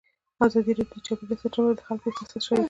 ازادي راډیو د چاپیریال ساتنه په اړه د خلکو احساسات شریک کړي.